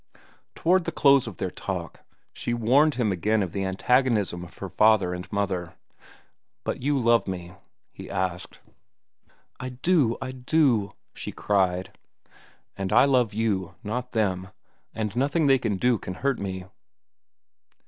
Toward the close of their talk she warned him again of the antagonism of her father and mother. "But you love me?" he asked. "I do! I do!" she cried. "And I love you, not them, and nothing they do can hurt me."